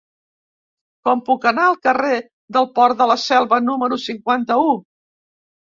Com puc anar al carrer del Port de la Selva número cinquanta-u?